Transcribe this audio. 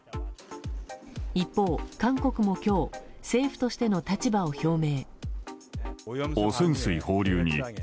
一方、韓国も今日政府としての立場を表明。